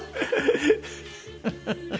フフフフ。